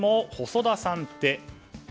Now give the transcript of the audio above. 細田さんって。